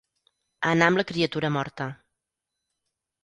Anar amb la criatura morta.